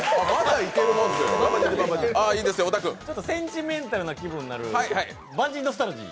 センチメンタルな気分になる、バンジーノスタルジー？